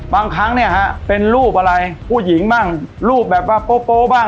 บางครั้งเนี่ยฮะเป็นรูปอะไรผู้หญิงบ้างรูปแบบว่าโป๊บ้าง